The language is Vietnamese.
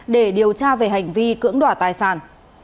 để điều tra về hành vi cưỡng đỏ tài sản